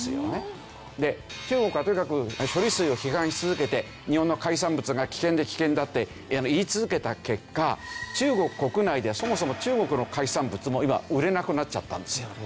中国はとにかく処理水を批判し続けて日本の海産物が危険だ危険だって言い続けた結果中国国内ではそもそも中国の海産物も今売れなくなっちゃったんですよ。